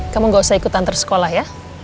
kamu gausah ikut antar sekolah ya